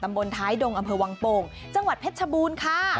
ตำบลภายดงอำเภอวังโปงจังหวัดเพชรชบูนค่ะ